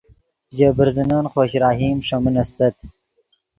ژے برزنن خوش رحیم ݰے من استت